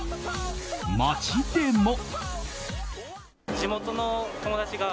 街でも。